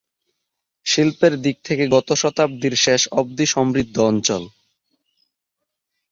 শিল্পের দিক থেকে গত শতাব্দীর শেষ অবধি সমৃদ্ধ অঞ্চল।